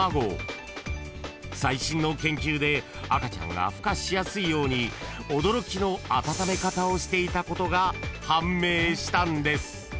［最新の研究で赤ちゃんがふ化しやすいように驚きの温め方をしていたことが判明したんです］